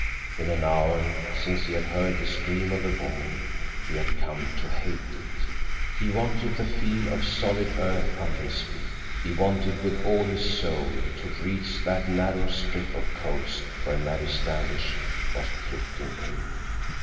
In an hour—since he had heard the scream of the woman—he had come to hate it. He wanted the feel of solid earth under his feet. He wanted, with all his soul, to reach that narrow strip of coast where Mary Standish was drifting in.